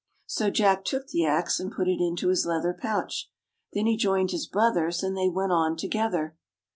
So Jack took the Ax and put it in his leather pouch. Then he joined his brothers and they went on together.